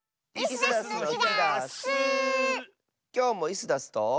きょうもイスダスと。